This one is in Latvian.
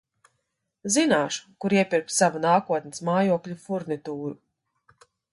Zināšu, kur iepirkt sava nākotnes mājokļa furnitūru.